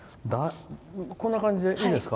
こんな感じでいいですか？